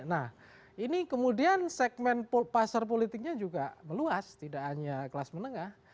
nah ini kemudian segmen pasar politiknya juga meluas tidak hanya kelas menengah